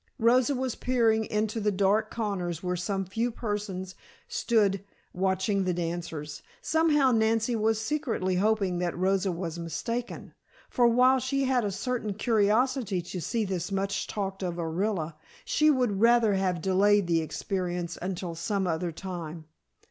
Rosa was peering into the dark corners where some few persons stood watching the dancers. Somehow Nancy was secretly hoping that Rosa was mistaken, for while she had a certain curiosity to see this much talked of Orilla, she would rather have delayed the experience until some other time.